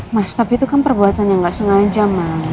mas tapi itu kan perbuatan yang gak sengaja mas